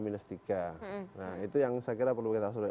nah itu yang saya kira perlu kita solida